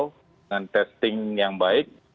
dengan testing yang baik